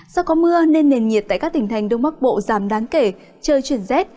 do có mưa nên nền nhiệt tại các tỉnh thành đông bắc bộ giảm đáng kể trời chuyển rét